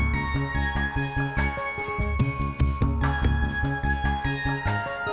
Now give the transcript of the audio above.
tidak tidak tidak